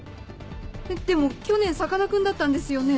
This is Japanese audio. えっでも去年さかなクンだったんですよね。